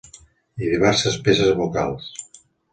I diverses peces vocals.